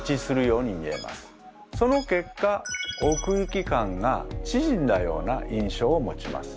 その結果奥行き感が縮んだような印象を持ちます。